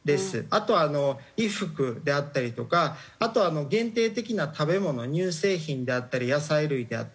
あとは衣服であったりとかあとは限定的な食べ物乳製品であったり野菜類であったり。